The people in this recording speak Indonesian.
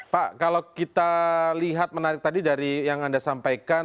pak kalau kita lihat menarik tadi dari yang anda sampaikan